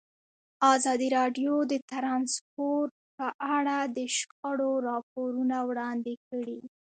ازادي راډیو د ترانسپورټ په اړه د شخړو راپورونه وړاندې کړي.